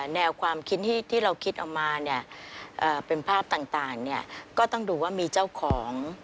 แนวความคิดที่เราคิดออกมาเนี่ยเป็นภาพต่างก็ต้องดูว่ามีเจ้าของ